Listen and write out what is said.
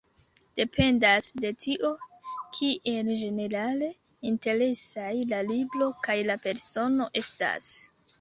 Dependas de tio, kiel ĝenerale interesaj la libro kaj la persono estas.